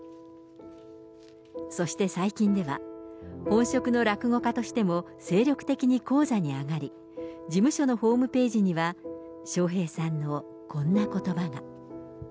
そして最近では、本職の落語家としても、精力的に高座に上がり、事務所のホームページには、笑瓶さんのこんなことばが。